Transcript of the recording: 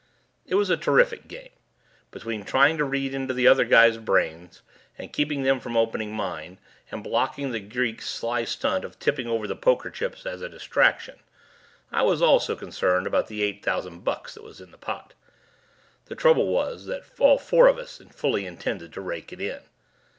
It was a terrific game. Between trying to read into these other guy's brains and keeping them from opening mine, and blocking the Greek's sly stunt of tipping over the poker chips as a distraction, I was also concerned about the eight thousand bucks that was in the pot. The trouble was that all four of us fully intended to rake it in.